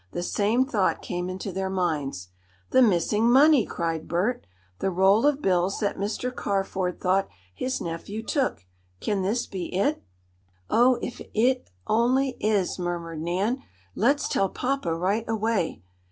The same thought came into their minds. "The missing money!" cried Bert, "The roll of bills that Mr. Carford thought his nephew took! Can this be it?" "Oh, if it only is!" murmured Nan. "Let's tell papa right away!"